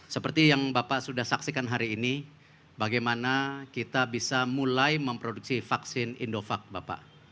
seperti yang bapak sudah saksikan hari ini bagaimana kita bisa mulai memproduksi vaksin indovac bapak